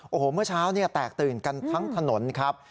โอ้โหเมื่อเช้าแตกตื่นกันทั้งถนนครับ